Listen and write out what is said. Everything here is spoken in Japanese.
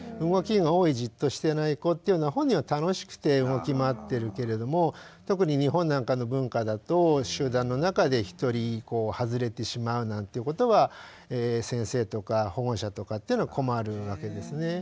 動きが多いじっとしてない子っていうのは本人は楽しくて動き回ってるけれども特に日本なんかの文化だと集団の中で一人外れてしまうなんていうことは先生とか保護者とかっていうのは困るわけですね。